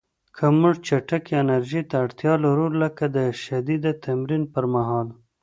که موږ چټکې انرژۍ ته اړتیا لرو، لکه د شدید تمرین پر مهال